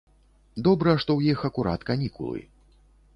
Добра, што ў іх акурат канікулы.